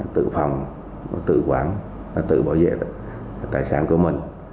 tự phòng tự quản tự bảo vệ tài sản của mình